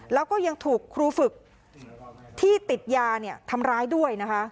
แล้วก็ยังถูกครูฝึกที่ติดยาทำร้ายด้วยนะคะ